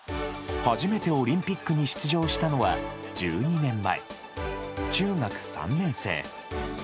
初めてオリンピックに出場したのは、１２年前、中学３年生。